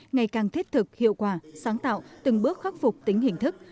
ngày càng thiết thực hiệu quả sáng tạo từng bước khắc phục tính hình thức